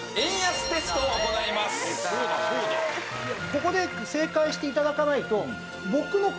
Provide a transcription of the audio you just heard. ここで正解して頂かないと。